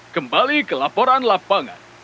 kembali ke laporan lapangan